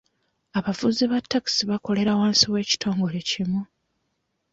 Abavuzi ba taxi bakolera wansi w'ekitongole ekimu.